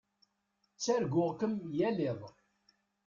Ttarguɣ-kem yal iḍ.